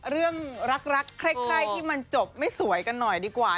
เรื่องรักใครที่มันจบไม่สวยกันหน่อยดีกว่า